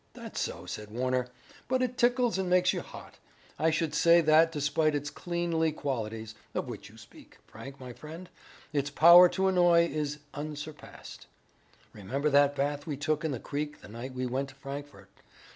"That's so," said Warner, "but it tickles and makes you hot. I should say that despite its cleanly qualities, of which you speak, Frank, my friend, its power to annoy is unsurpassed. Remember that bath we took in the creek the night we went to Frankfort.